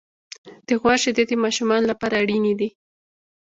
د غوا شیدې د ماشومانو لپاره اړینې دي.